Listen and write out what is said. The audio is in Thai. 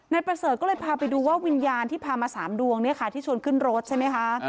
ประเสริฐก็เลยพาไปดูว่าวิญญาณที่พามา๓ดวงที่ชวนขึ้นรถใช่ไหมคะ